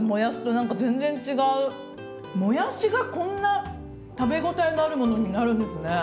もやしがこんな食べ応えのあるものになるんですね。